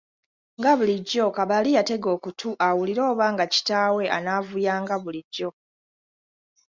Nga bulijjo Kabali yatega okutu awulire oba nga kitaawe anaavuya nga bulijjo.